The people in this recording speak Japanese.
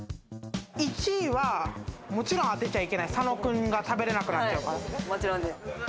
１位はもちろん当てちゃいけない、佐野くんが食べられないから。